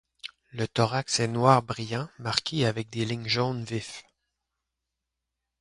Le thorax est noir brillant marqué avec des lignes jaune vif.